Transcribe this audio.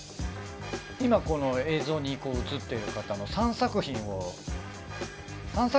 今この映像に映ってる方の３作品を。